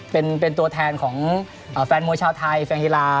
เป็นตัวแทนของแฟนมวยชาวไทยแฟนกีฬา